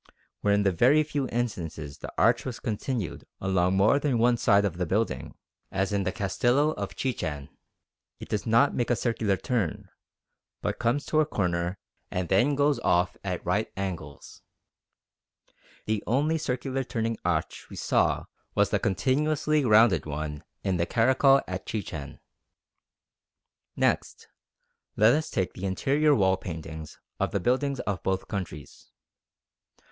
Where in the very few instances the arch was continued along more than one side of the building, as in the Castillo of Chichen, it does not make a circular turn, but comes to a corner and then goes off at right angles. The only circular turning arch we saw was the continuously rounded one in the Caracol at Chichen. [Illustration: DIAGRAM OF MAYAN ARCH.] Next, let us take the interior wall paintings of the buildings of both countries.